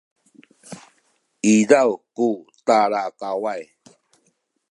izaw ku talakaway